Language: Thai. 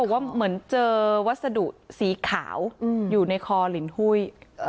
ว่าเหมือนเจอวัสดุสีขาวอยู่ในคอลินหุ้ย